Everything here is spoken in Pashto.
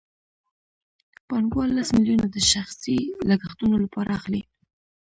پانګوال لس میلیونه د شخصي لګښتونو لپاره اخلي